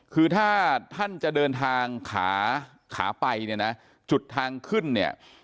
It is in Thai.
คือถ้าท่านจะเดินทางขาขาไปเนี่ยนะจุดทางขึ้นเนี่ย